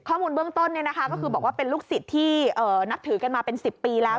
ข้อมูลเบื้องต้นก็คือบอกว่าเป็นลูกศิษย์ที่นับถือกันมาเป็น๑๐ปีแล้ว